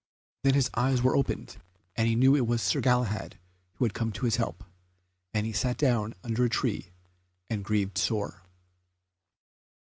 Then his eyes were opened, and he knew it was Sir Galahad who had come to his help, and he sat down under a tree and grieved sore.